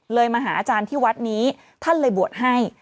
มาหาอาจารย์ที่วัดนี้ท่านเลยบวชให้